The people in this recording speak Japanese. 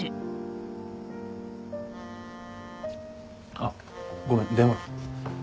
あっごめん電話。